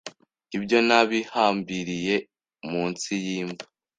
Ibyo nabihambiriye munsi yimva